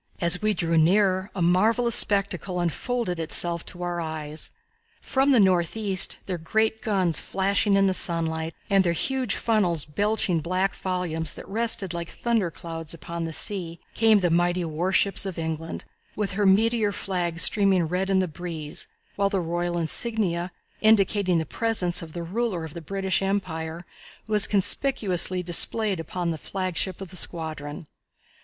As we drew nearer a marvellous spectacle unfolded itself to our eyes. From the northeast, their great guns flashing in the sunlight and their huge funnels belching black volumes that rested like thunder clouds upon the sea, came the mighty warships of England, with her meteor flag streaming red in the breeze, while the royal insignia, indicating the presence of the ruler of the British Empire, was conspicuously displayed upon the flagship of the squadron.